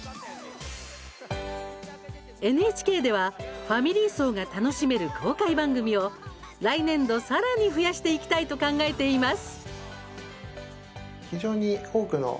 ＮＨＫではファミリー層が楽しめる公開番組を来年度さらに増やしていきたいと考えています。